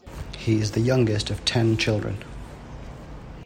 He is the youngest of ten children.